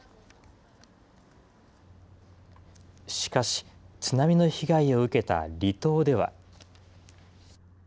しかし、津波の被害を受けた離島では。